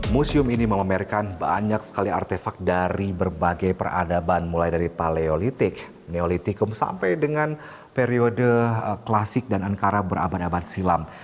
museum ini memamerkan banyak sekali artefak dari berbagai peradaban mulai dari paleolitik neolitikum sampai dengan periode klasik dan ankara berabad abad silam